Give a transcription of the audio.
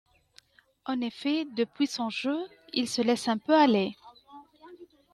En effet depuis son jeu, il se laisse un peu aller.